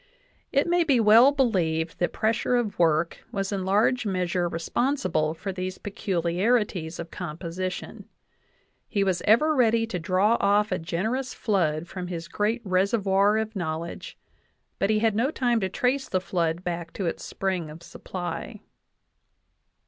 It may be well believed that pres sure of work was in large measure responsible for these pe culiarities of composition. 'He was ever ready to draw off a generous flood from his great reservoir of knowledge, but he had no time to trace the flood back to its spring of supply.'